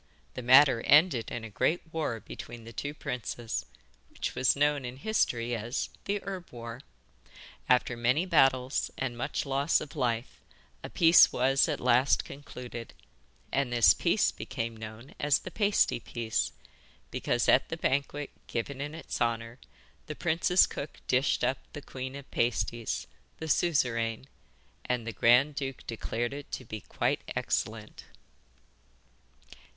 The matter ended in a great war between the two princes, which was known in history as the 'Herb War.' After many battles and much loss of life, a peace was at last concluded, and this peace became known as the 'Pasty Peace,' because at the banquet given in its honour the prince's cook dished up the Queen of Pasties the Suzeraine and the grand duke declared it to be quite excellent.